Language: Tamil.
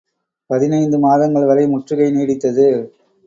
பதினைந்து மாதங்கள் வரை முற்றுகை நீடித்தது.